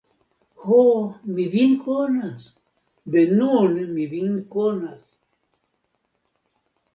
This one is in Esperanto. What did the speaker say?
Ho, mi vin konas, de nun mi vin konas!